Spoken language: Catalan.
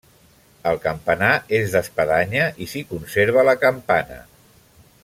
El campanar és d'espadanya i s'hi conserva la campana.